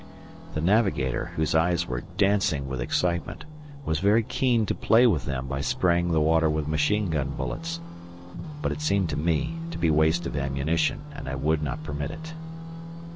The Navigator, whose eyes were dancing with excitement, was very keen to play with them by spraying the water with machine gun bullets; but it seemed to me to be waste of ammunition, and I would not permit it.